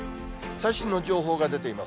最新の情報が出ています。